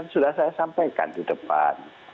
sudah saya sampaikan di depan